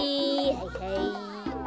はいはい。